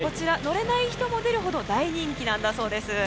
東山さん、こちら乗れない人も出るほど大人気なんだそうです。